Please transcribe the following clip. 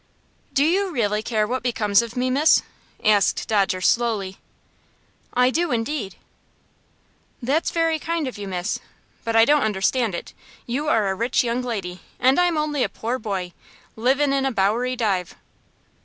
"Do you really care what becomes of me, miss?" asked Dodger, slowly. "I do, indeed." "That's very kind of you, miss; but I don't understand it. You are a rich young lady, and I'm only a poor boy, livin' in a Bowery dive."